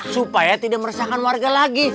supaya tidak meresahkan warga lagi